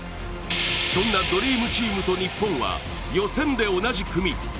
そんなドリームチームと日本は予選で同じ組。